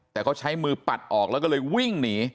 แต่เขาใช้มือปัดออกแล้วก็เลยวิ่งหนี